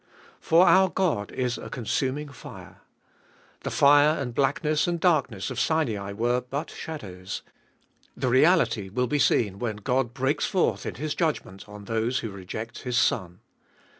For our God is a consuming fire. The fire and blackness and darkness of Sinai were but shadows — the reality will be seen when God breaks forth in His judgment on those who reject His Son.